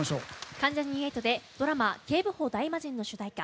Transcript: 関ジャニ∞でドラマ「警部補ダイマジン」の主題歌